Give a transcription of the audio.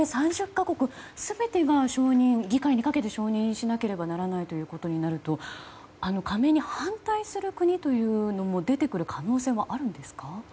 ３０か国全てが議会にかけて承認しなければならないということになると加盟に反対する国というのも出てくる可能性もあるんですか。